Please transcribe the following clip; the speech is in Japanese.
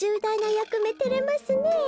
やくめてれますねえ。